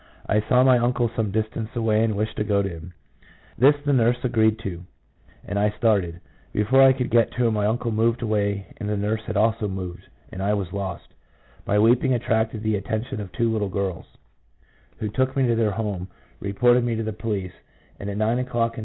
I saw my uncle some distance away and wished to go to him ; this the nurse agreed to, and I started. Before I could get to him my uncle moved away, the nurse had also moved, and I was lost. My weeping attracted two little girls, who took me to their home, reported me to the police, and at nine o'clock in the evening 1 H.